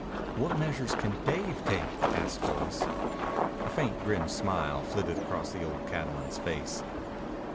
"What measures can Dave take?" asked Joyce. A faint, grim smile flitted across the old cattleman's face.